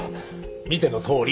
見てのとおり。